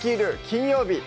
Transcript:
金曜日」